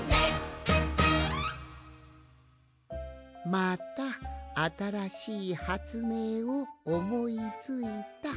「またあたらしいはつめいをおもいついた。